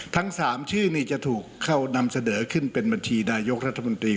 ทั้ง๓ชื่อนี่จะถูกเข้านำเสนอขึ้นเป็นบัญชีนายกรัฐมนตรี